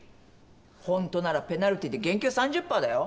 ほんとならペナルティーで減給３０％だよ。